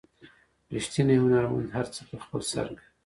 ریښتینی هنرمند هر څه په خپل سر کوي.